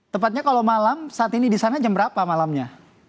tepatnya kalau malam saat ini di sana jam berapa malamnya